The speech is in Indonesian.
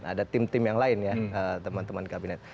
ada tim tim yang lain ya teman teman kabinet